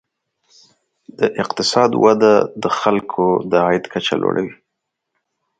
د اقتصاد وده د خلکو د عاید کچه لوړوي.